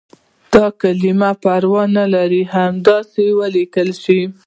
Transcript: دا کلمات پروا نه لري همداسې ولیکل شي.